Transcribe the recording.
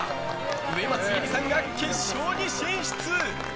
上松愛里さんが決勝に進出。